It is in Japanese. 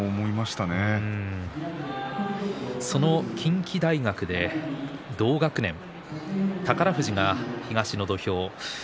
その近畿大学で同学年宝富士が東の土俵。